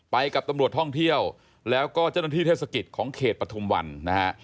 ไปกับตำรวจท่องเที่ยวแล้วก็เจ้าหน้าที่เทศกิจของเขตปฐุมวันนะฮะ